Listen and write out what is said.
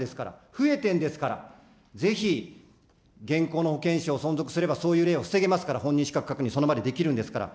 増えてんですから、ぜひ現行の保険証、存続すれば、そういう例を防げますから、本人資格確認、その場でできるんですから。